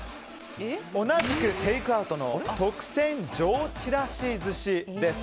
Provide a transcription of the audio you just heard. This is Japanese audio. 同じくテイクアウトの特選上ちらし寿司です。